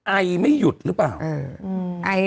ไอไม่หยุดหรือเปล่า